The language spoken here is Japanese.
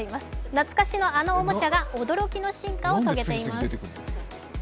懐かしのあのおもちゃが驚きの進化を遂げています。